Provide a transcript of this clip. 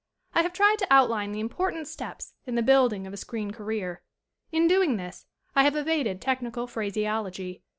I have tried to outline the important steps in the building of a screen career. In doing this I have evaded technical phraseology.